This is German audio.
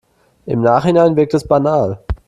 Im Nachhinein wirkt es banal.